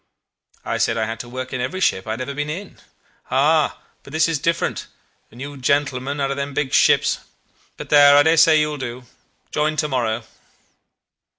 I said I had to work in every ship I had ever been in. 'Ah, but this is different, and you gentlemen out of them big ships;... but there! I dare say you will do. Join to morrow.